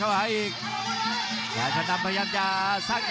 โอ้โหโอ้โห